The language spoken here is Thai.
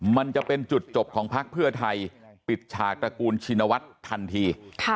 มันจะเป็นจุดจบของพักเพื่อไทยปิดฉากตระกูลชินวัฒน์ทันที